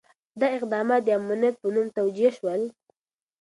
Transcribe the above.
دا اقدامات د امنیت په نوم توجیه شول.